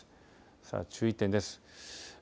さあ、注意点です。